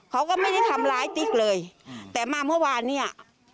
เขาก็ไม่ได้ทำร้ายติ๊กเลยแต่มาเมื่อวานเนี่ย